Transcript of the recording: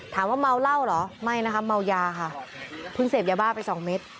ถามว่าเมาเหล้าเหรอไม่นะคะเมายาค่ะเพิ่งเสพยาบ้าไปสองเม็ด